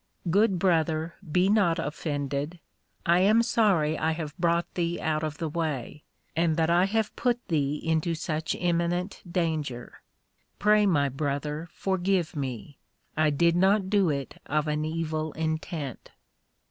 Good Brother be not offended; I am sorry I have brought thee out of the way, and that I have put thee into such imminent danger; pray my Brother forgive me, I did not do it of an evil intent.